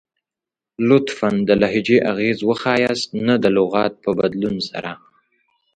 لطفاً ، د لهجې اغیز وښایست نه د لغات په بدلون سره!